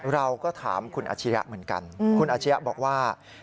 เราก็ถามคุณอาชิระเหมือนกันคุณอาชียะบอกว่า